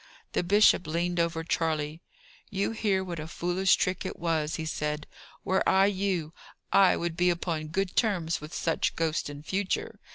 The bishop leaned over Charley. "You hear what a foolish trick it was," he said. "Were I you, I would be upon good terms with such ghosts in future.